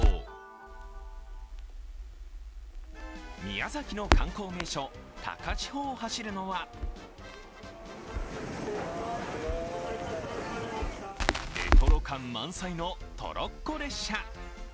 宮崎の観光名所、高千穂を走るのはレトロ感満載のトロッコ列車。